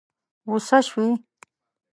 غوسه شوې؟